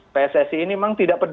pssi ini memang tidak peduli